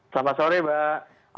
selamat sore mbak